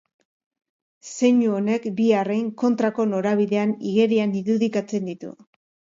Zeinu honek bi arrain kontrako norabidean igerian irudikatzen ditu.